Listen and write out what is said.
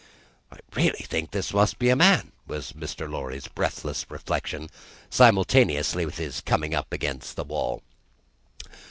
("I really think this must be a man!" was Mr. Lorry's breathless reflection, simultaneously with his coming against the wall.)